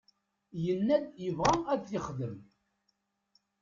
Yenna-d yebɣa ad t-yexdem.